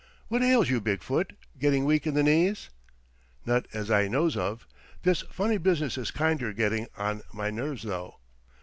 What ails you, Big foot? Getting weak in the knees?" "Not as I knows of. This funny business is kinder getting on my nerves, though."